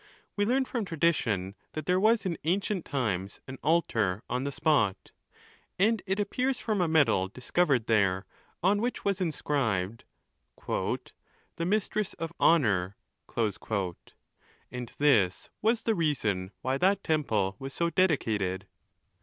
We learn from tradition, that there was in ancient times an altar on the spot ; and it appears from a medal dis covered there, on which was inscribed, "the Mistress of Honour ;" and this was the reason why that temple was so dedicated.